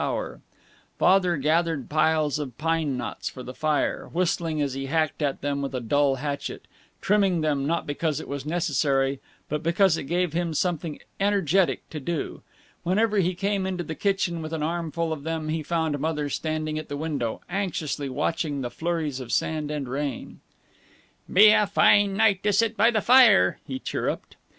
Father gathered piles of pine knots for the fire, whistling as he hacked at them with a dull hatchet trimming them, not because it was necessary, but because it gave him something energetic to do. Whenever he came into the kitchen with an armful of them he found Mother standing at the window, anxiously watching the flurries of sand and rain. "Be a fine night to sit by the fire," he chirruped.